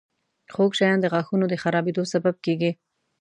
• خوږ شیان د غاښونو د خرابېدو سبب کیږي.